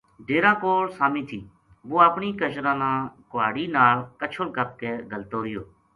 ڈیرا کول سامی تھی وُہ اپنی کچراں تا کُہاڑی نال کَچھل کَپ کے گھَلتو رہیو